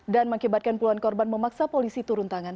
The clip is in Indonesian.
dan mengibatkan puluhan korban memaksa polisi turun tangan